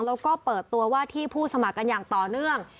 แล้วก็เปิดตัวว่าที่ผู้สมัครกันอย่างต่อเนื่อง